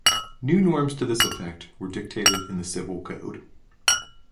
New norms to this effect were dictated in the Civil code.